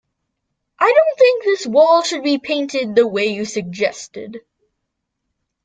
I don't think this wall should be painted the way you suggested.